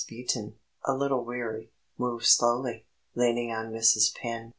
Beaton, a little weary, moved slowly, leaning on Mrs. Penn.